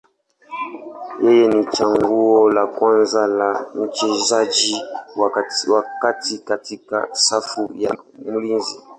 Yeye ni chaguo la kwanza la mchezaji wa kati katika safu ya ulinzi.